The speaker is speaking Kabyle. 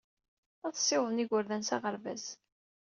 Ad ssiwḍent igerdan s aɣerbaz.